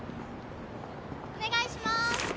お願いします！